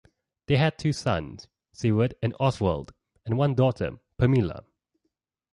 They had two sons, Siward and Oswald, and one daughter, Pamela.